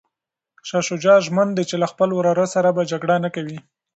شاه شجاع ژمن دی چي له خپل وراره سره به جګړه نه کوي.